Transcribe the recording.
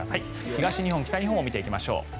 東日本、北日本を見ていきましょう。